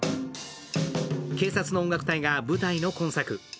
警察の音楽隊が舞台の今作。